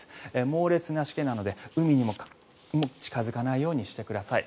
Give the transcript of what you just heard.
猛烈なしけなので海にも近付かないようにしてください。